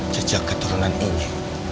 jejak keturunan ini